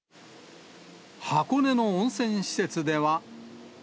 箱根の温泉施設では。